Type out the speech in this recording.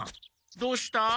どうした？